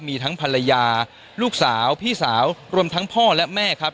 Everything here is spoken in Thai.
มีทั้งภรรยาลูกสาวพี่สาวรวมทั้งพ่อและแม่ครับ